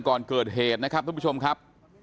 ก่อนเกิดเหตุนะครับทุกผู้ชมครับ